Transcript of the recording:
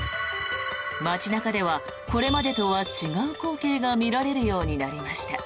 街中ではこれまでとは違う光景が見られるようになりました。